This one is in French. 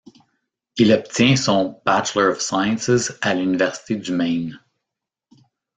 Il obtient son Bachelor of Sciences à l’université du Maine.